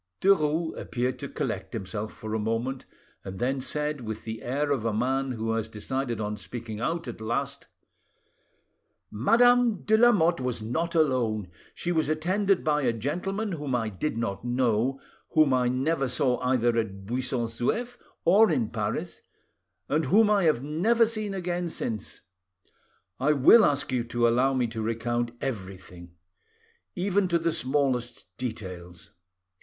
Derues appeared to collect himself for a moment, and then said with the air of a man who has decide on speaking out at last— "Madame de Lamotte was not alone; she was attended by a gentleman whom I did not know, whom I never saw either at Buisson Souef or in Paris, and whom I have never seen again since. I will ask you to allow me to recount everything; even to the smallest details.